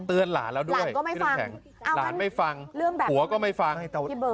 เตือนหลานแล้วด้วยพี่น้องแข็งหลานไม่ฟังหัวก็ไม่ฟังพี่เบิร์ต